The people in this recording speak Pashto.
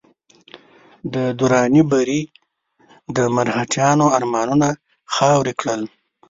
د دراني بري د مرهټیانو ارمانونه خاورې کړل.